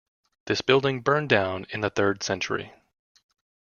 This building burned down in the third century.